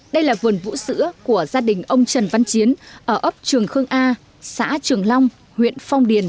đây là vườn vũ sữa của gia đình ông trần văn chiến ở ấp trường khương a xã trường long huyện phong điền